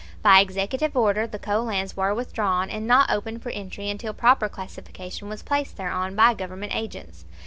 By executive order the coal lands were withdrawn and not opened for entry until proper classification was placed thereon by Government agents.